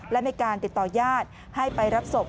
และมีการติดต่อญาติให้ไปรับศพ